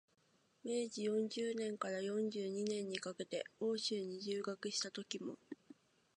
明治四十年から四十二年にかけて欧州に留学したときも、